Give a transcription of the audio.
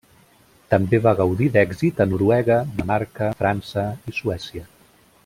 També va gaudir d'èxit a Noruega, Dinamarca, França i Suècia.